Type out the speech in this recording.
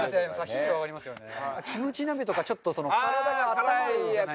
頻度は上がりますよね。